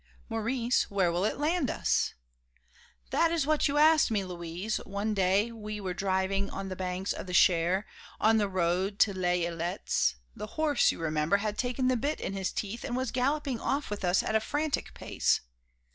"Maurice, where will it land us?" "That is what you asked me, Louise, one day we were driving on the banks of the Cher, on the road to Les Ilettes; the horse, you remember, had taken the bit in his teeth and was galloping off with us at a frantic pace.